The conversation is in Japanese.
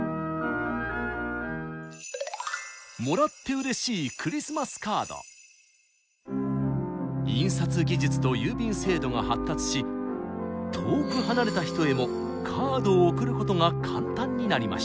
もらってうれしい印刷技術と郵便制度が発達し遠く離れた人へもカードを送ることが簡単になりました。